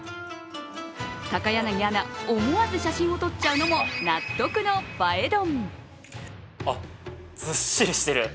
高柳アナ、思わず写真を撮っちゃうのも納得の映え丼。